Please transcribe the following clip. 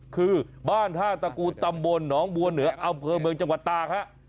คือบ้านท่าตะกูตัมบลหนองบัวเหนือเอาเผือกเมืองจังหวัดตา